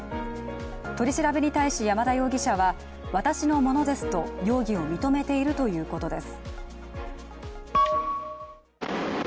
取り調べに対し山田容疑者は、私のものですと容疑を認めているということです。